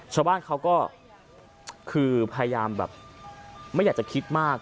ชาวบ้านเขาก็คือพยายามแบบไม่อยากจะคิดมาก